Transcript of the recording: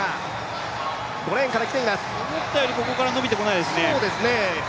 思ったよりここから伸びてこないですね。